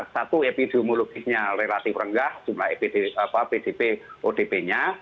satu epidemiologinya relatif renggah jumlah pdb odp nya